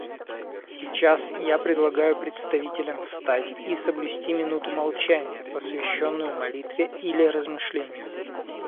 Сейчас я предлагаю представителям встать и соблюсти минуту молчания, посвященную молитве или размышлению.